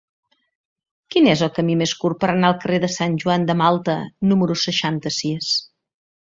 Quin és el camí més curt per anar al carrer de Sant Joan de Malta número seixanta-sis?